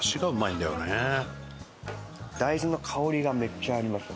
大豆の香りがめっちゃありました。